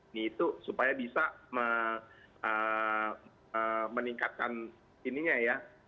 ini itu supaya bisa meningkatkan ininya ya